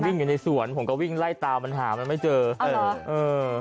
อยู่ในสวนผมก็วิ่งไล่ตามมันหามันไม่เจอเออเออ